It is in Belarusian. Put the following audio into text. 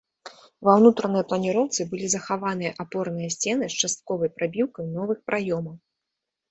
Ва унутранай планіроўцы былі захаваныя апорныя сцены з частковай прабіўкай новых праёмаў.